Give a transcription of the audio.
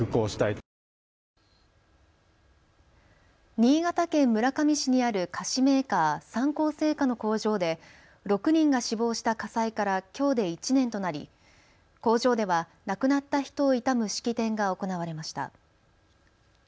新潟県村上市にある菓子メーカー、三幸製菓の工場で６人が死亡した火災からきょうで１年となり工場では亡くなった人を悼む式典が行われました。